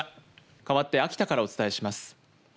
かわって秋田からお伝えします。